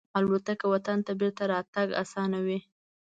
الوتکه وطن ته بېرته راتګ آسانوي.